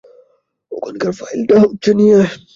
ওখানকার ফাইলটা নিয়ে আয়।